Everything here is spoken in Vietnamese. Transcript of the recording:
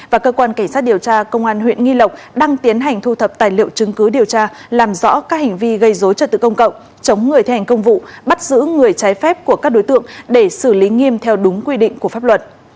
và cơ quan cảnh sát điều tra công an huyện nghi lộc đang tiến hành thu thập tài liệu chứng cứ điều tra làm rõ các hành vi gây dối trật tự công cộng chống người thi hành công vụ bắt giữ người trái phép của các đối tượng để xử lý nghiêm theo đúng quy định của pháp luật